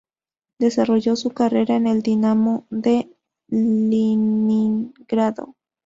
Desarrolló su carrera en el Dynamo de Leningrado.